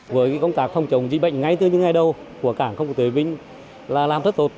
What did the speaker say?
với công tác không chống dịch bệnh ngay từ những ngày đầu của cảng không quốc tế vinh là làm thất tột